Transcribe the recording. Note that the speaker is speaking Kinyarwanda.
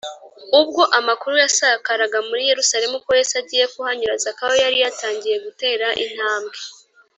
ubwo amakuru yasakaraga muri yeriko ko yesu agiye kuhanyura, zakayo yari yaratangiye gutera intambwe